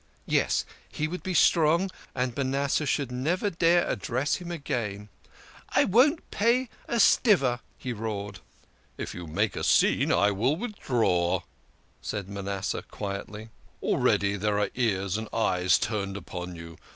Yes, he would be strong, and Manasseh should never dare address him again. " I won't pay a stiver," he roared. " If you make a scene I will withdraw," said Manasseh quietly. " Already there are ears and eyes turned upon you.